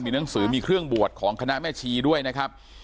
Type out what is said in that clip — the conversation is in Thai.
หนังสือมีเครื่องบวชของคณะแม่ชีด้วยนะครับ